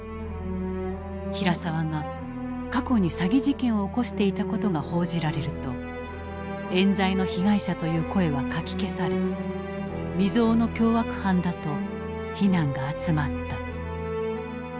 平沢が過去に詐欺事件を起こしていたことが報じられると冤罪の被害者という声はかき消され未曽有の凶悪犯だと非難が集まった。